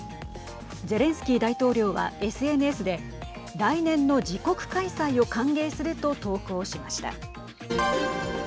ゼレンスキー大統領は、ＳＮＳで来年の自国開催を歓迎すると投稿しました。